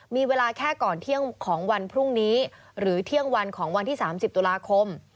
มีเวลาแค่ก่อนเที่ยงของวันพรุ่งนี้หรือเที่ยงวันของวันที่๓๐ตุลาคม